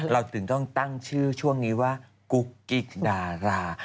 เราถึงต้องตั้งชื่อช่วงนี้ว่ากุ๊กกิ๊กดารา